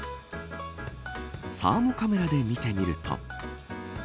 サーモカメラで見てみると。